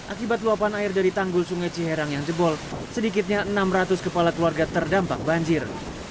akibat luapan air dari tanggul sungai ciherang yang jebol sedikitnya enam ratus kepala keluarga terdampak banjir